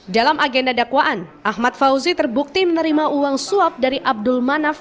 dalam agenda dakwaan ahmad fauzi terbukti menerima uang suap dari abdul manaf